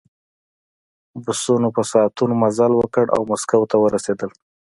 بسونو په ساعتونو مزل وکړ او مسکو ته ورسېدل